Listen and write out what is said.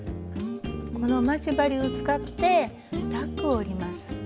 この待ち針を使ってタックを折ります。